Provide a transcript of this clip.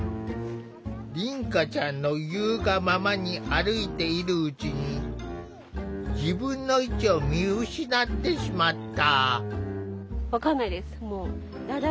凛花ちゃんの言うがままに歩いているうちに自分の位置を見失ってしまった。